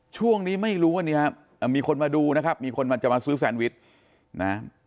ช่วงนี้ไม่รู้ว่ามีคนมาดูนะครับมีคนมันจะมาซื้อแซนวิช